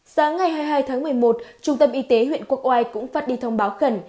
sáng ngày hai mươi hai tháng một mươi một trung tâm y tế huyện quốc oai cũng phát đi thông báo khẩn